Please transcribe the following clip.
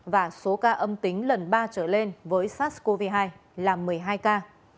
và số ca âm tính lần ba trở lên với sars cov hai là một mươi hai ca